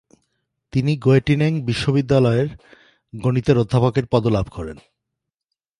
তিনি গ্যোটিঙেন বিশ্ববিদ্যালয়ের গণিতের অধ্যাপকের পদ লাভ করেন।